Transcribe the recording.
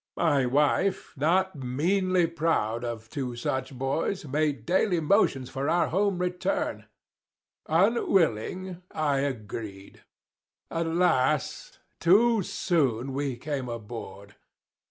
My wife, not meanly proud of two such boys, Made daily motions for our home return: 60 Unwilling I agreed; alas! too soon We came aboard.